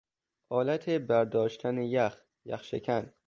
آلت برداشتن یخ، یخ شکن